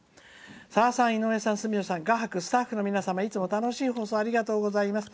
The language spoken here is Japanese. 「さださん、井上さん、住吉さん画伯、スタッフの皆さんいつも楽しい放送ありがとうございます。